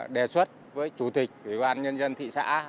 đề xuất với chủ tịch ủy ban nhân dân thị xã